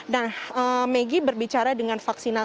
dan maggie berbicara dengan vaksinasi